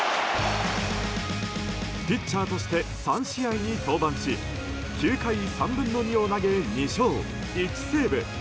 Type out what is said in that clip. ピッチャーとして３試合に登板し９回３分の２を投げ２勝１セーブ。